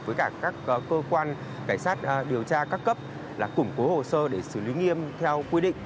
với cả các cơ quan cảnh sát điều tra các cấp là củng cố hồ sơ để xử lý nghi vấn